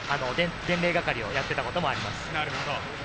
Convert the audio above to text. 伝令係をやっていたこともあります。